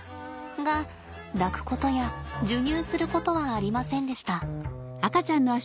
が抱くことや授乳することはありませんでした。